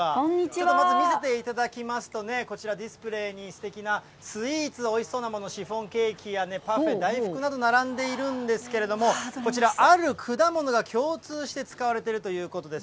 ちょっとまず見せていただきますとね、こちら、ディスプレーにすてきなスイーツ、おいしそうなもの、シフォンケーキやね、パフェ、大福など、並んでいるんですけれども、こちら、ある果物が共通して使われているということです。